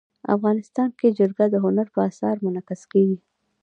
افغانستان کې جلګه د هنر په اثار کې منعکس کېږي.